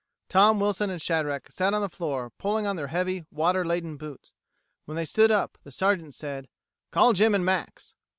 Tom, Wilson, and Shadrack sat on the floor pulling on their heavy, water laden boots. When they stood up, the Sergeant said: "Call Jim and Max."